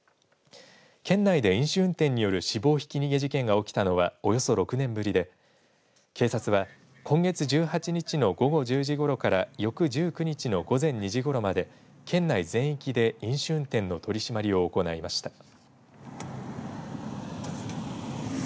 県内で飲酒運転による死亡ひき逃げ事件が起きたのはおよそ６年ぶりで警察は今月１８日の午後１０時ごろから翌１９日の午前２時ごろまで県内全域で、飲酒運転の取締りを行いました。